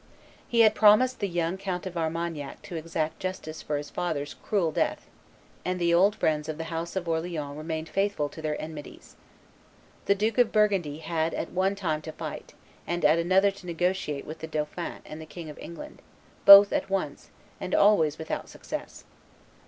He had promised the young Count of Armagnac to exact justice for his father's cruel death; and the old friends of the house of Orleans remained faithful to their enmities. The Duke of Burgundy had at one time to fight, and at another to negotiate with the dauphin and the King of England, both at once, and always without success.